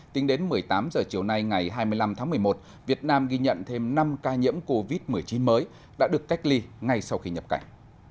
tính đến một mươi tám h chiều nay ngày hai mươi năm tháng một mươi một việt nam ghi nhận thêm năm ca nhiễm covid một mươi chín mới đã được cách ly ngay sau khi nhập cảnh